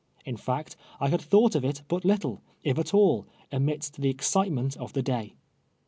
In fact, 1 had thought of it but little, if at all, amidst the excite ment of the day.